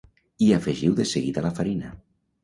Hi afegiu de seguida la farina